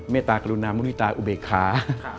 ตากรุณามุริตาอุเบคา